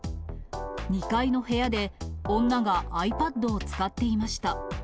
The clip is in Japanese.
２階の部屋で、女がｉＰａｄを使っていました。